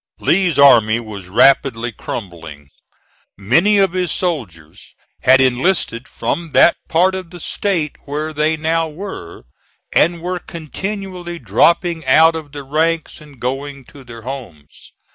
Lee's army was rapidly crumbling. Many of his soldiers had enlisted from that part of the State where they now were, and were continually dropping out of the ranks and going to their homes.